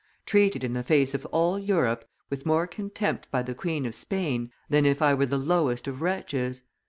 Treated in the face of all Europe, with more contempt by the Queen of Spain than if I were the lowest of wretches?